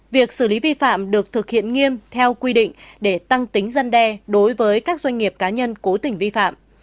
việc xử lý vi phạm được thực hiện nghiêm theo quy định để tăng tính dân đe đối với các doanh nghiệp cá nhân cố tình vi phạm